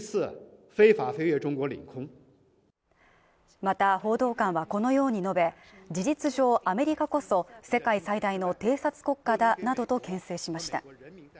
また報道官はこのように述べ事実上、アメリカこそ世界最大の偵察国家などとけん制しました。